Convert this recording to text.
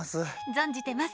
存じてます。